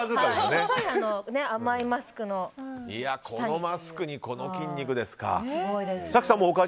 このマスクに、この筋肉ですか。